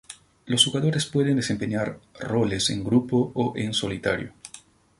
Los jugadores pueden desempeñar roles en grupo o en solitario.